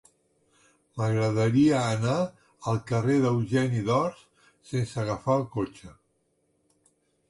M'agradaria anar al carrer d'Eugeni d'Ors sense agafar el cotxe.